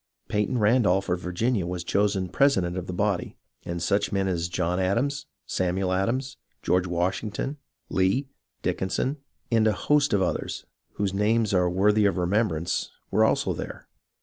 Peyton Randolph of Virginia was chosen president of the body, and such men as John Adams, Samuel Adams, George Washington, Lee, Dickinson, and a host of others, whose names are worthy of remembrance, were also there.